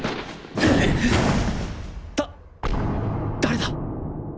だ誰だ！？